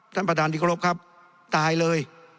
ท่านประธานที่เคารพครับตายเลย